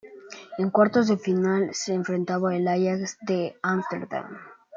En cuartos de final se enfrentan al Ajax de Ámsterdam.